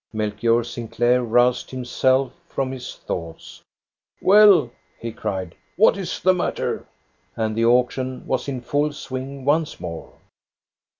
Melchior Sinclair roused himself from his thoughts. " Well," he cried, "what is the matter? " And the auction was in full swing once more.